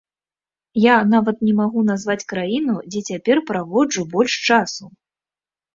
Я нават не магу назваць краіну, дзе цяпер праводжу больш часу.